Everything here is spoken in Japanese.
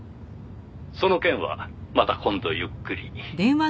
「その件はまた今度ゆっくり」